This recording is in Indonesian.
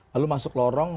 lalu masuk lorong